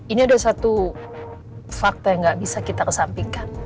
ini ada satu fakta yang gak bisa kita kesampingkan